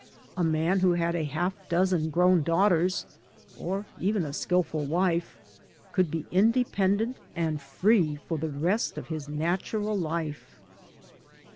A man who had a half dozen grown daughters, or even a skilful wife, could be independent and free for the rest of his natural life.